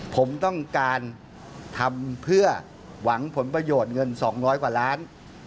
ผมต้องการทำเพื่อหวังผลประโยชน์เงิน๒๐๐กว่าล้าน